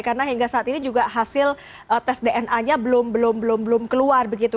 karena hingga saat ini juga hasil tes dna nya belum belum belum belum keluar begitu